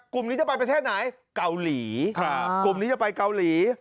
กลุ่มนี้จะไปประเทศไหนเกาหลีกลุ่มนี้จะไปเกาหลี